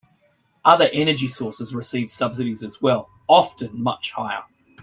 Other energy sources receive subsidies as well, often much higher.